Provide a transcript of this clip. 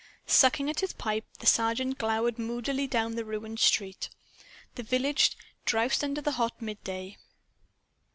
Sucking at his pipe; the Sergeant glowered moodily down the ruined street. The village drowsed under the hot midday.